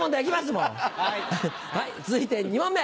もう続いて２問目。